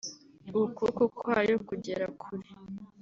ukuboko kwayo kugera kure